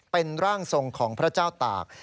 เป็นร่างทรงของพระเจ้าตาก